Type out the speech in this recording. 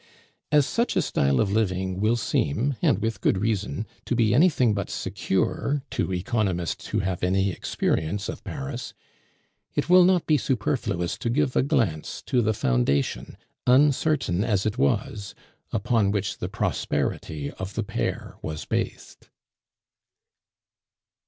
As such a style of living will seem, and with good reason, to be anything but secure to economists who have any experience of Paris, it will not be superfluous to give a glance to the foundation, uncertain as it was, upon which the prosperity of the pair was based.